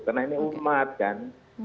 karena ini umat kan